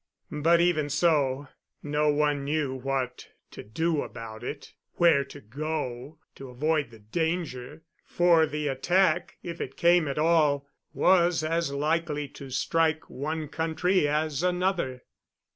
But even so, no one knew what to do about it where to go to avoid the danger for the attack, if it came at all, was as likely to strike one country as another.